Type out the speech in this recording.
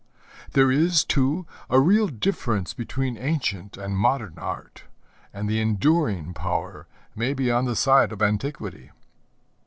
There is, too, a real difference between ancient and modern art, and the enduring power may be on the side of antiquity.